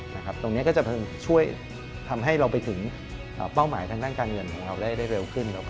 ตรงนี้ก็จะช่วยทำให้เราไปถึงเป้าหมายทางด้านการเงินของเราได้เร็วขึ้น